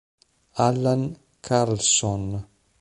Allan Carlsson